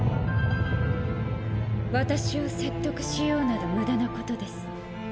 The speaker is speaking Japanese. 私を説得しようなど無駄なことです。